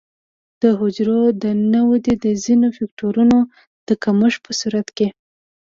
د حجرو د نه ودې د ځینو فکټورونو د کمښت په صورت کې.